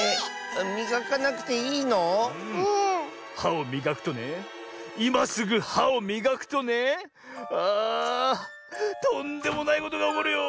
みがかなくていいの？はをみがくとねいますぐはをみがくとねあとんでもないことがおこるよ。